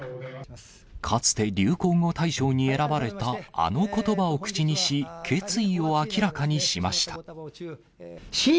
かつて流行語大賞に選ばれたあのことばを口にし、決意を明らかにしました。